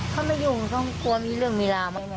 เขาไม่ยุ่งเขากลัวมีเรื่องมีเวลาไหมเนี่ย